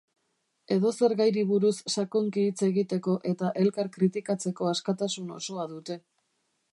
Edozer gairi buruz sakonki hitz egiteko eta elkar kritikatzeko askatasun osoa dute.